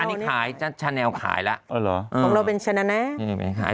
อันนี้ขายชาแนลขายแล้วของเราเป็นชาแนล